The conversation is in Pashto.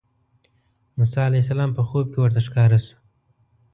موسی علیه السلام په خوب کې ورته ښکاره شو.